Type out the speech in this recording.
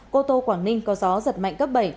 cô tô quảng ninh có gió giật mạnh cấp bảy